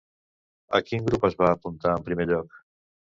A quin grup es va apuntar en primer lloc?